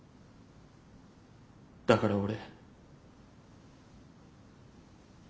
だから俺。